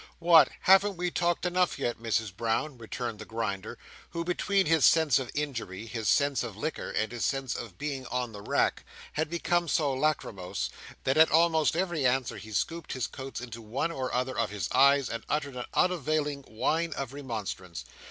"What, haven't we talked enough yet, Misses Brown?" returned the Grinder, who, between his sense of injury, his sense of liquor, and his sense of being on the rack, had become so lachrymose, that at almost every answer he scooped his coats into one or other of his eyes, and uttered an unavailing whine of remonstrance.